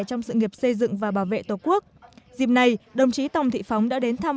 trong sự nghiệp xây dựng và bảo vệ tổ quốc dịp này đồng chí tòng thị phóng đã đến thăm